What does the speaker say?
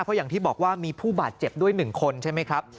เพราะอย่างที่บอกว่ามีผู้บาดเจ็บด้วย๑คนใช่ไหมครับ